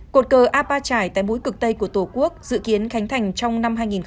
cột cờ apa trải tại mũi cực tây của tổ quốc dự kiến khánh thành trong năm hai nghìn hai mươi bốn